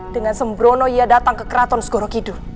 dengan sembrono ia datang ke keraton segorowkidu